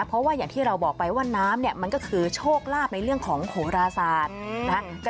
เพราะว่าอย่างที่เราบอกไปว่าน้ำเนี่ยมันก็คือโชคลาภในเรื่องของโหราศาสตร์นะคะ